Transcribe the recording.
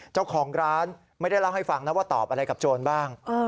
เจ้าของร้านไม่ได้เล่าให้ฟังนะว่าตอบอะไรกับโจรบ้าง